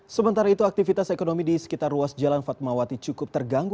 sementara itu aktivitas ekonomi di sekitar ruas jalan fatmawati cukup terganggu